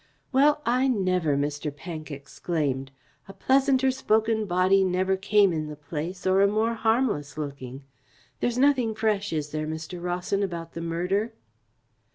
"Well, I never!" Mr. Pank exclaimed. "A pleasanter spoken body never came in the place or a more harmless looking. There's nothing fresh, is there, Mr. Rawson, about the murder?"